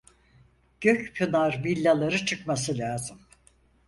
Gökpınar villaları çıkması lazım